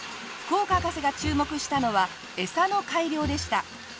福岡博士が注目したのはエサの改良でした。